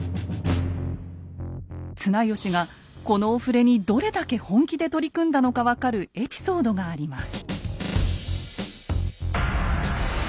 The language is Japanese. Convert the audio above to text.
綱吉がこのお触れにどれだけ本気で取り組んだのか分かるエピソードがあります。